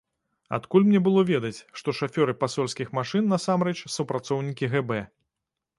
Адкуль мне было ведаць, што шафёры пасольскіх машын насамрэч супрацоўнікі гэбэ.